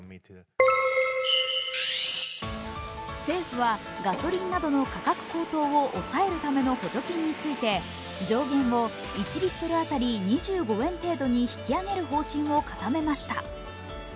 政府はガソリンなどの価格高騰を抑えるための補助金について上限を１リットル当たり２５円程度に引き上げる方針を固めました。